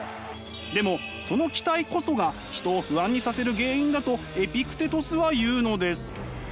でもその期待こそが人を不安にさせる原因だとエピクテトスは言うのです。